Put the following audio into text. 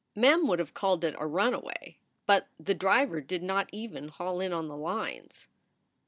Mem would have called it a runaway, but the driver did not even haul in on the lines.